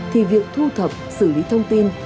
thì việc thu thập xử lý thông tin